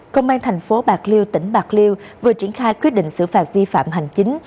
công an thành phố bạc liêu tỉnh bạc liêu vừa triển khai quyết định xử phạt vi phạm hành chính